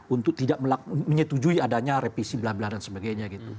untuk tidak menyetujui adanya repisi belah belah dan sebagainya gitu